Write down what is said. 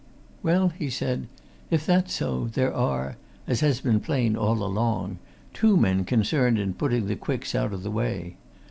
"Well," he said, "if that's so, there are as has been plain all along two men concerned in putting the Quicks out of the way.